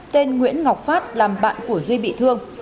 tên nguyễn ngọc phát làm bạn của duy bị thương